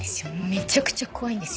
めちゃくちゃ怖いんですよ。